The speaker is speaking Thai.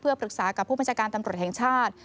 เพื่อปรึกษากับผู้บริวการตำรวจทางชาติ